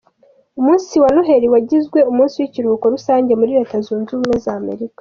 Umunsi wa Noheli wagizwe umunsi w’ikiruhuko rusange muri Leta zunze ubumwe za Amerika.